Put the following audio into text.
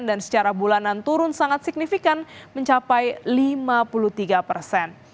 dan secara bulanan turun sangat signifikan mencapai lima puluh tiga persen